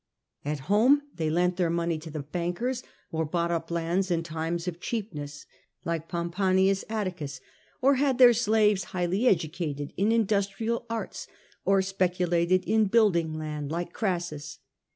At home they lent their money to the bankers, or bought up lands in times of cheapness, like Pom ponius Atticus, or had their slaves highly educated in industrial arts, or speculated in building land, like Crassus.